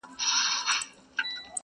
د یارانې مثال د تېغ دی٫